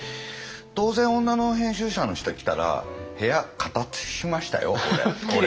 当然女の編集者の人来たら部屋片づけしましたよ俺。